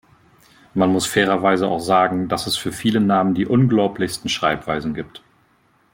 Man muss fairerweise auch sagen, dass es für viele Namen die unglaublichsten Schreibweisen gibt.